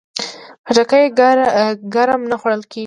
خټکی ګرم نه خوړل کېږي.